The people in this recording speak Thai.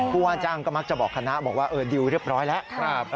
ผู้ว่าจ้างก็มักจะบอกคณะบอกว่าดิวเรียบร้อยแล้ว